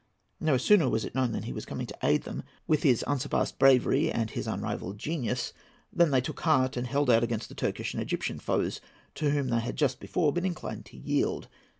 No sooner was it known that he was coming to aid them with his unsurpassed bravery and his unrivalled genius than they took heart and held out against the Turkish and Egyptian foes to whom they had just before been inclined to yield.